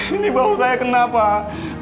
ini bau saya kena pak